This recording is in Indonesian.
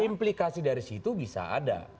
implikasi dari situ bisa ada